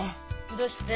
どうして？